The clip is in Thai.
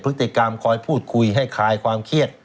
พฤติกรรมคอยพูดคุยให้คลายความเครียด